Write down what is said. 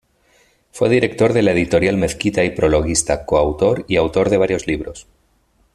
Fue director de la Editorial Mezquita y prologuista, coautor y autor de varios libros.